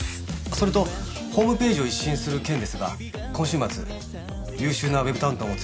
それとホームページを一新する件ですが今週末優秀なウェブ担当も連れて伺います。